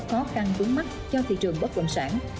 khó khăn vướng mắt cho thị trường bất động sản